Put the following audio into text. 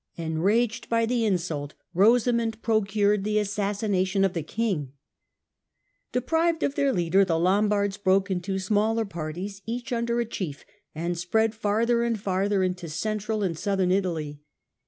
Enraged by the insult, Rosamund pro cured the assassination of the King. Lombard Deprived of their leader, the Lombards broke up into settle nieti ts in Central smaller parties, each under a chief, and spread farther and farther into Central and Southern Italy.